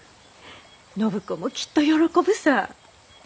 暢子もきっと喜ぶさぁ。